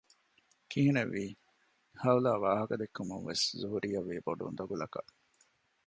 ކިހިނެއްވީ; ހައުލާ ވާހަކަ ދެއްކުމުންވެސް ޒުހުރީއަށް ވީ ބޮޑު އުނދަގުލަކަށް